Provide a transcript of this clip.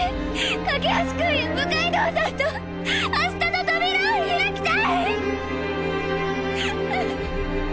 架橋君や六階堂さんと明日の扉を開きたい！